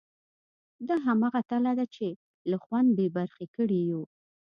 دا همغه تله ده چې له خوند بې برخې کړي یو.